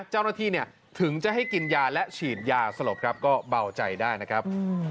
เจ้าหน้าที่ถึงจะให้กินยาและฉีดยาสลบครับก็เบาใจได้นะครับ